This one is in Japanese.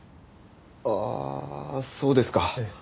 ああそうですか。